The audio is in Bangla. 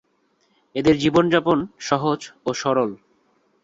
এদের জীবনযাপন সহজ ও সরল।